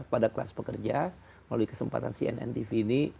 pada kelas pekerja melalui kesempatan cnn tv ini